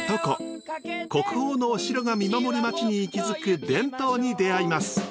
国宝のお城が見守る町に息づく伝統に出会います。